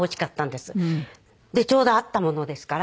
でちょうどあったものですから。